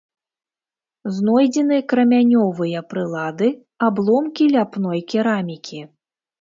Знойдзены крамянёвыя прылады, абломкі ляпной керамікі.